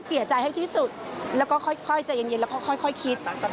เสียใจให้ที่สุดแล้วก็ค่อยใจเย็นแล้วค่อยคิด